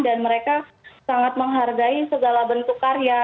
dan mereka sangat menghargai segala bentuk karya